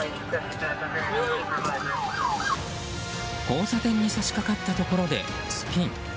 交差点に差し掛かったところでスピン。